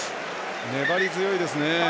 粘り強いですね。